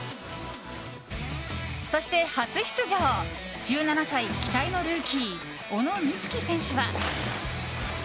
そして初出場１７歳、期待のルーキー小野光希選手は。